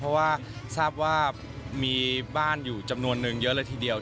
เพราะว่าทราบว่ามีบ้านอยู่จำนวนนึงเยอะเลยทีเดียว